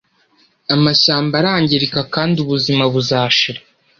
Amashyamba arangirika kandi ubuzima buzashira